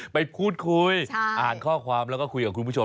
ไปพูดคุยอ่านข้อความแล้วก็คุยกับคุณผู้ชม